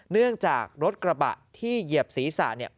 เนื่องจากรถกระบะที่เหยียบศรีษะ